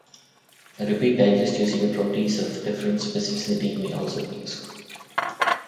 A repeat digest using a protease of different specificity may also be useful.